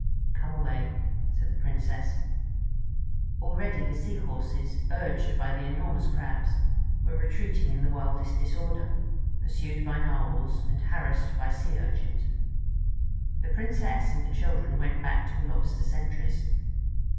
"Come away," said the Princess. Already the Sea Horses, urged by the enormous Crabs, were retreating in the wildest disorder, pursued by Narwhals and harassed by Sea Urchins. The Princess and the children went back to the Lobster sentries.